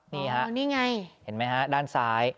นี่ไงเห็นไหมฮะด้านซ้าย